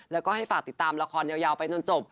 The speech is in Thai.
แล้วก็ให้ฝากติดตามละครยาวไปจนจบ